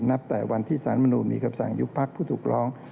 นับแต่วันที่ศาลมนุมมีคำสั่งยุคพรรคผู้ถูกร้อง